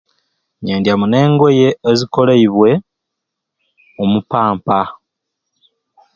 Nyendya muno engoye ezikolebwe omu paampa